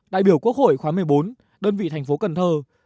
đại biểu quốc hội khóa một mươi bốn đơn vị thành phố cần thơ